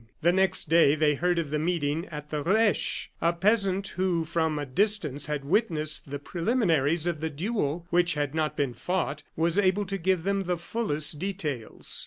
The next day they heard of the meeting at the Reche. A peasant who, from a distance, had witnessed the preliminaries of the duel which had not been fought, was able to give them the fullest details.